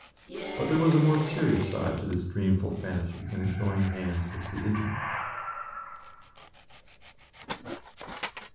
But there was a more serious side to this dreamful fancy when it joined hands with religion.